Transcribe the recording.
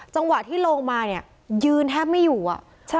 จังหวะที่ลงมายืนแทบไม่อยู่